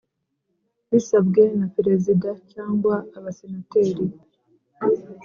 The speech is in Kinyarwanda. Bisabwe na Perezida cyangwa Abasenateri